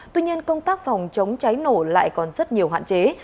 tuy nhiên công tác phòng chống cháy nổ lại còn rất nhiều hạn chế